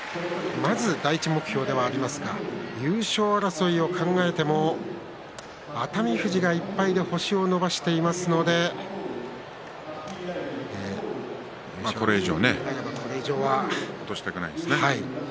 第１目標ではありますが優勝争いを考えても熱海富士が１敗で星を伸ばしていますのでこれ以上は星を落としたくありません。